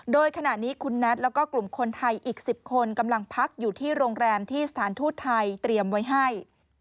โดยขณะนี้คุณนัทแล้วก็กลุ่มคนไทยอีก๑๐คนกำลังพักอยู่ที่โรงแรมที่สถานทูตไทยเตรียมไว้ให้